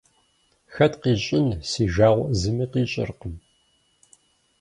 Хэт къищӏын си жагъуэ зыми къищӏыркъым.